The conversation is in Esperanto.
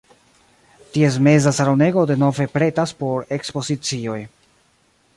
Ties meza salonego denove pretas por ekspozicioj.